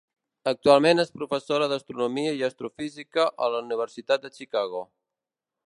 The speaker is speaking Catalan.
Actualment és professora d'astronomia i astrofísica a la Universitat de Chicago.